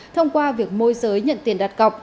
thông qua việc môi giới nhận tiền đặt cọc